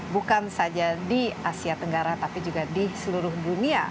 bukan saja di asia tenggara tapi juga di seluruh dunia